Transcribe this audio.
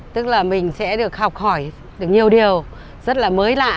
tức là mình sẽ được học hỏi được nhiều điều rất là mới lạ